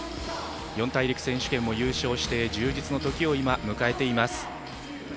四大陸選手権を優勝して充実のときを迎えています。